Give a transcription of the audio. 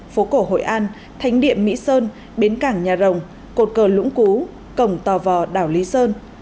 phố cổ hội an thánh địa mỹ sơn bến cảng nhà rồng cột cờ lũng cú cổng tò vò đảo lý sơn